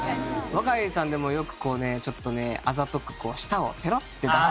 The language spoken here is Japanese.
若井さんでもよくこうねちょっとねあざとくこう舌をペロッて出す。